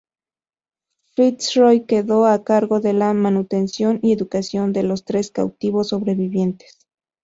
FitzRoy quedó a cargo de la manutención y educación de los tres cautivos sobrevivientes.